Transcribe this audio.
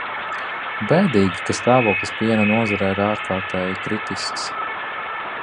Bēdīgi, ka stāvoklis piena nozarē ir ārkārtēji kritisks.